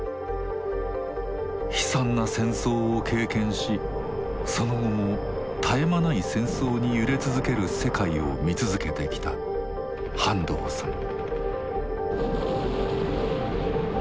悲惨な戦争を経験しその後も絶え間ない戦争に揺れ続ける世界を見続けてきた半藤さん。